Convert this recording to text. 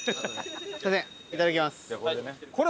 すみませんいただきます。